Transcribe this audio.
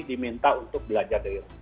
diminta untuk belajar dari rumah